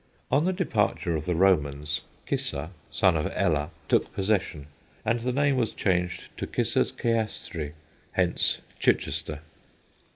On the departure of the Romans, Cissa, son of Ella, took possession, and the name was changed to Cissa's Ceastre, hence Chichester.